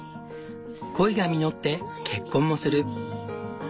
恋が実って結婚もする。